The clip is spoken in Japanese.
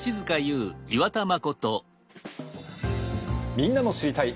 みんなの「知りたい！」